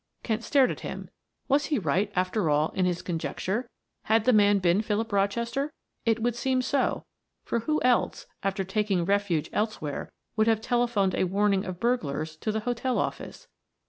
Kent stared at him. Was he right, after all, in his conjecture; had the man been Philip Rochester? It would seem so, for who else, after taking refuge elsewhere, would have telephoned a warning of burglars to the hotel office?